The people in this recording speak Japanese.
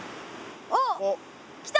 おっ来た！